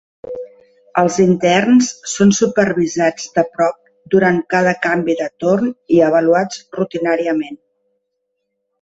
Els interns són supervisats de prop durant cada canvi de torn i avaluats rutinàriament.